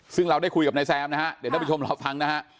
ซึ่งเราได้คุยกับนายแซมนะฮะเดี๋ยวท่านผู้ชมรอฟังนะฮะ